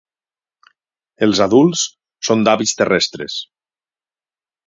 Els adults són d'hàbits terrestres.